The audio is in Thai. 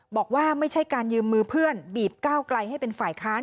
บอกว่าไม่ใช่การยืมมือเพื่อนบีบก้าวไกลให้เป็นฝ่ายค้าน